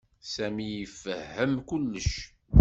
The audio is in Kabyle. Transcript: Sami ifehhem kullec.